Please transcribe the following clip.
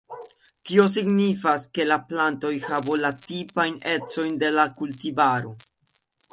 Tio signifas, ke la plantoj havu la tipajn ecojn de la kultivaro.